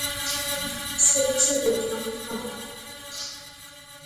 Давайте пить уксус.